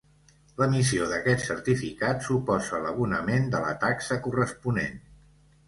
L'emissió d'aquest certificat suposa l'abonament de la taxa corresponent.